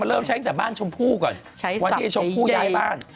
เริ่มใช้ตั้งแต่บ้านชมพู่ก่อนวันที่ชมพู่ย้ายบ้าน